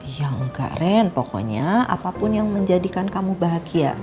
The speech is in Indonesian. ya enggak ren pokoknya apapun yang menjadikan kamu bahagia